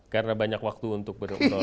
karena banyak waktu untuk berulang